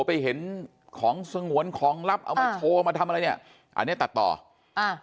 ไปเห็นของสงวนของลับเอามาโชว์มาทำอะไรเนี้ยอันเนี้ยตัดต่ออ่า